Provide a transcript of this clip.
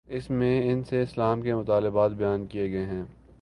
اس میں ان سے اسلام کے مطالبات بیان کیے گئے ہیں۔